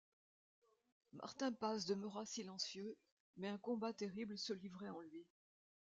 Martin Paz demeura silencieux, mais un combat terrible se livrait en lui.